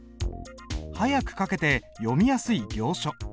速く書けて読みやすい行書。